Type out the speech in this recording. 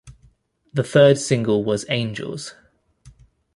The third single was "Angels".